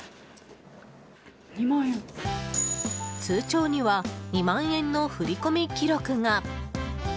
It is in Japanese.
通帳には２万円の振り込み記録が。